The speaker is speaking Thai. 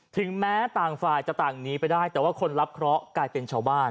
ถึงแม้ต่างฝ่ายจะต่างหนีไปได้แต่ว่าคนรับเคราะห์กลายเป็นชาวบ้าน